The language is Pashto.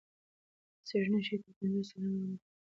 څېړنې ښيي تر پنځوس سلنه ونې په خطر کې دي.